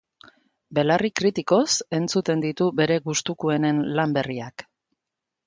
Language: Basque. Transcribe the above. Belarri kritikoz entzuten ditu bere gustukuenen lan berriak.